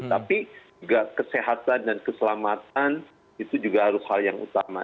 tapi juga kesehatan dan keselamatan itu juga harus hal yang utama